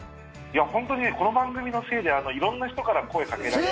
本当に、この番組のせいで色んな人から声かけられて。